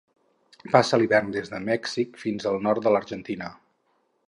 Passa l'hivern des de Mèxic fins al nord de l'Argentina.